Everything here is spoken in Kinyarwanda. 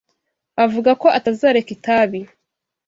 Avuga ko atazareka itabi.